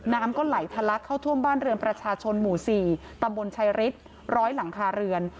น้ำก็ไหลทะลักเข้าท่วมบ้านเรือนประชาชนหมู่๔ตำบลชายฤทธิ์ร้อยหลังคาเรือน